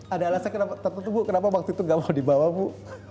ada alasan kenapa waktu itu tidak mau dibawa ibu